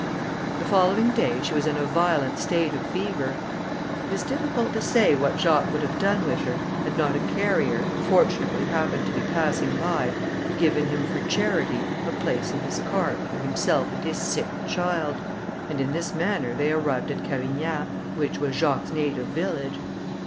The following day she was in a violent state of fever. It is difficult to say what Jacques would have done with her, had not a carrier, who fortunately happened to be passing by, given him for charity, a place in his cart, for himself and his sick child, and in this manner they arrived at Cavignat, which was Jacques's native village.